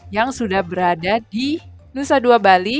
yang sudah berada di nusa dua bali